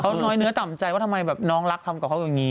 เขาน้อยเนื้อต่ำใจว่าทำไมแบบน้องรักทำกับเขาอย่างนี้